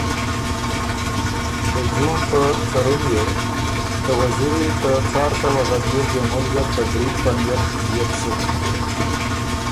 ته جون په څرم يې ته وزیری ته څار سوه غدئے ګېمُل زر ته برید په نئت ديېک سُک